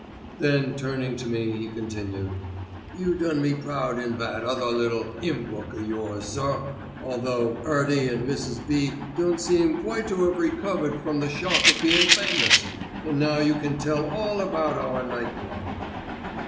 Then turning to me he continued: "You done me proud in that other little 'ymn book o' yours, sir, although 'Earty and Mrs. B. don't seem quite to 'ave recovered from the shock o' bein' famous, and now you can tell all about our Night Club.